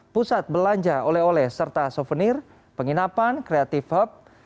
pusat belanja oleh oleh serta souvenir penginapan kreatif hub